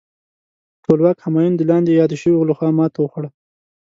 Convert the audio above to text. ټولواک همایون د لاندې یاد شویو لخوا ماته وخوړه.